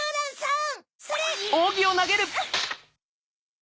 ん？